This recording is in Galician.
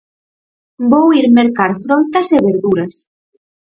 Vou ir mercar froitas e verduras